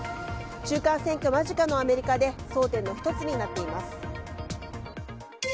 中間選挙間近のアメリカで争点の１つになっています。